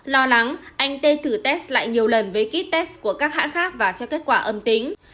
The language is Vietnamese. lo lắng anh tê thử test lại nhiều lần với ký test của các hãng khác và cho kết quả âm tính